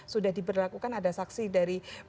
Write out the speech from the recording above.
sudah diberlakukan ada saksi dari